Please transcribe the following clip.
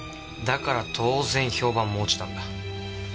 だから当然評判も落ちたんだ。